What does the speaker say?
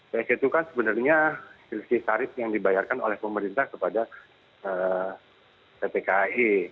ps itu kan sebenarnya selisih tarif yang dibayarkan oleh pemerintah kepada pt kai